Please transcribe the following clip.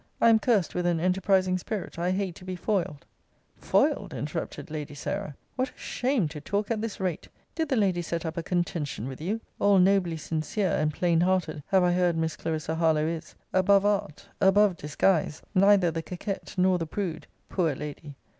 I am curst with an enterprizing spirit. I hate to be foiled Foiled! interrupted Lady Sarah. What a shame to talk at this rate! Did the lady set up a contention with you? All nobly sincere, and plain hearted, have I heard Miss Clarissa Harlowe is: above art, above disguise; neither the coquette, nor the prude! Poor lady!